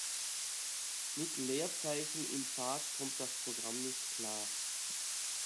Mit Leerzeichen im Pfad kommt das Programm nicht klar.